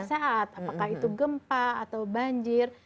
setiap saat apakah itu gempa atau banjir